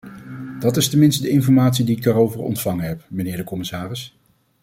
Dat is tenminste de informatie die ik daarover ontvangen heb, mijnheer de commissaris.